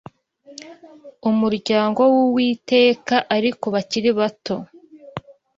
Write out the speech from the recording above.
umuryango w’Uwiteka ariko bakiri bato